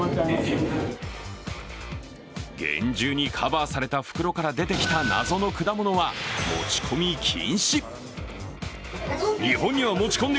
厳重にカバーされた袋から出てきた謎の果物は持ち込み禁止。